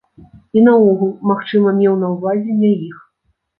І наогул, магчыма, меў на ўвазе не іх.